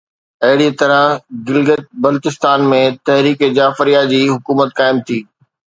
اهڙي طرح گلگت بلتستان ۾ تحريڪ جعفريه جي حڪومت قائم ٿي